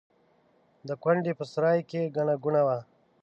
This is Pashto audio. د کونډې په سرای کې ګڼه ګوڼه وه.